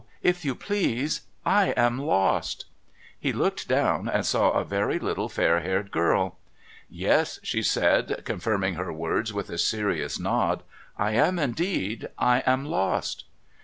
if you please, I am lost !' He looked down, and saw a very little foir haired girl. ' Yes,' she said, confirming her words with a serious nod. ' I am indeed. I am lost